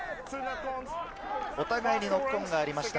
お互いにノックオンがありました。